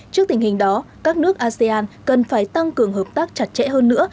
trước tình hình đó các nước asean cần phải tăng cường hợp tác chặt chẽ hơn nữa